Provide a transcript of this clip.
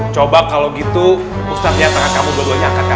coba kalo gitu ustaz nyatakan kamu berduanya akar akar